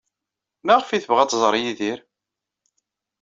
Maɣef ay tebɣa ad tẓer Yidir?